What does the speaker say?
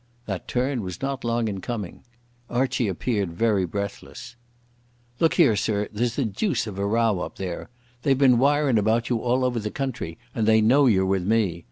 That turn was not long in coming. Archie appeared very breathless. "Look here, sir, there's the deuce of a row up there. They've been wirin' about you all over the country, and they know you're with me.